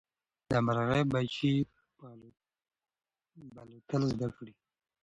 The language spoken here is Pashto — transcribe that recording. د مرغۍ بچي به الوتل زده کړي.